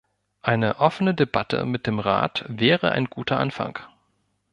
Eine offene Debatte mit dem Rat wäre ein guter Anfang.